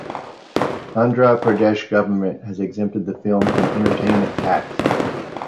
Andhra Pradesh government has exempted the film from entertainment tax.